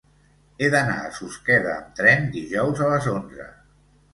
He d'anar a Susqueda amb tren dijous a les onze.